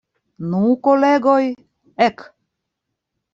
Nu, kolegoj, ek!